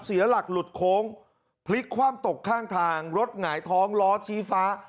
เสียหลักหลุดโค้งพลิกคว่ำตกข้างทางรถหงายท้องล้อชี้ฟ้า